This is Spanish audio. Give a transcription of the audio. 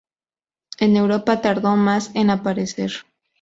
En Europa tardó más en aparecer.